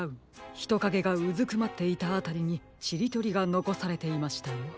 ひとかげがうずくまっていたあたりにちりとりがのこされていましたよ。